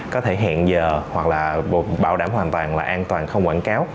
có thể hiện giờ hoặc là bảo đảm hoàn toàn là an toàn không quảng cáo